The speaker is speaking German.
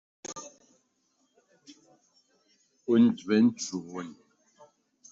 Und wenn schon!